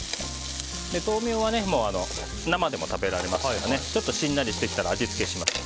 豆苗は生でも食べられますのでちょっとしんなりしてきたら味付けします。